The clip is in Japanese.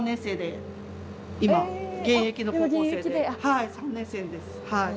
はい３年生ですはい。